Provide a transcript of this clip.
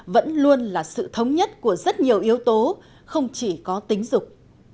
vẫn luôn là sự thống nhất của rất nhiều yếu tố không chỉ có tính dục